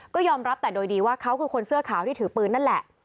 ก็ยอมรับแต่โดยดีว่าเขาคือคนเสื้อขาวที่ถือปืนนั่นแหละ